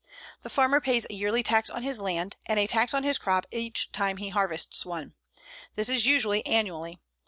The farmer pays a yearly tax on his land, and a tax on his crop each time he harvests one. This is usually annually.